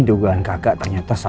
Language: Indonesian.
dugaan kakak ternyata salah